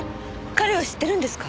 彼を知ってるんですか？